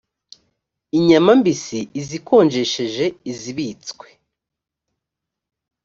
inyama mbisi izikonjesheje izibitswe